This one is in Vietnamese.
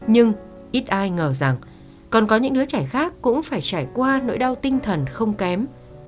nhưng ít ai ngờ rằng còn có những đứa trẻ khác cũng phải trải qua nỗi đau tinh thần không kém